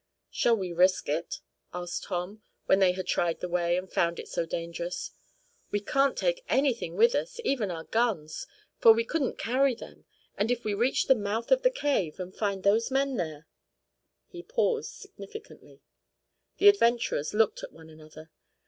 "Shall we risk it?" asked Tom, when they had tried the way, and found it so dangerous. "We can't take anything with us even our guns, for we couldn't carry them, and if we reach the mouth of the cave, and find those men there " He paused significantly. The adventurers looked at one another.